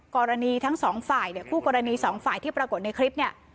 กรณีทั้งสองฝ่ายเนี่ยคู่กรณีสองฝ่ายที่ปรากฏในคลิปเนี่ย